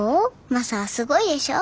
マサはすごいでしょ？